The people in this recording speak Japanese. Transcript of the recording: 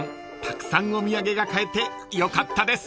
たくさんお土産が買えてよかったです］